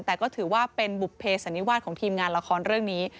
แต่ก็ถือว่าเป็นบุภเพสันนิวาสของทีมงานละครเรื่องนี้